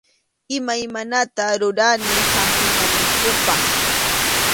Imaymanata rurani hampinankupaq.